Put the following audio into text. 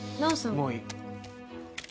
もういい。